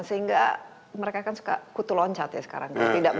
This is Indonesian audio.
sehingga mereka kan suka kutu loncat ya sekarang